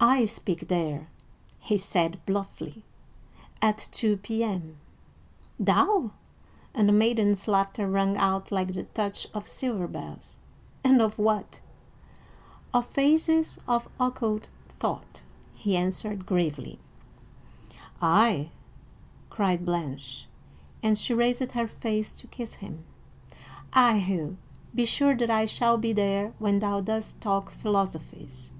"I speak there," he said bluffly, "at two P.M." "Thou!" and the maiden's laughter rang out like the touch of silver bells, "and of what?" "Of phases of occult thought," he answered gravely. "Ay," cried Blanche, and she raised her face to kiss him. "Ay, Hugh, be sure that I shall be there when thou dost talk philosophies."